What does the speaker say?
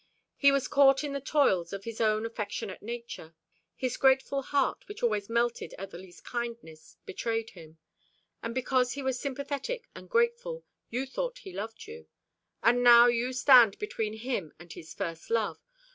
He was caught in the toils of his own affectionate nature. His grateful heart, which always melted at the least kindness, betrayed him. And because he was sympathetic and grateful you thought he loved you; and now you stand between him and his first love.